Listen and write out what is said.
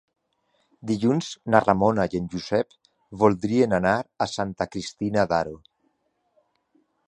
Dilluns na Ramona i en Josep voldrien anar a Santa Cristina d'Aro.